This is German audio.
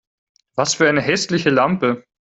Was für eine hässliche Lampe!